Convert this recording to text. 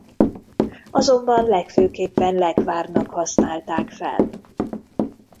Azonban legfőképpen lekvárnak használták fel.